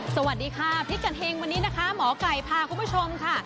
สวัสดีค่ะพิกัดเฮงวันนี้นะคะหมอไก่พาคุณผู้ชมค่ะ